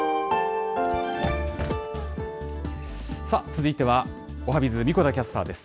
さあ、続いてはおはＢｉｚ、神子田キャスターです。